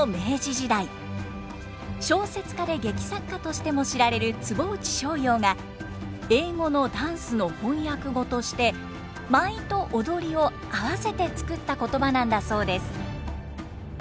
小説家で劇作家としても知られる坪内逍遙が英語のＤａｎｃｅの翻訳語として舞と踊りを合わせて作った言葉なんだそうです。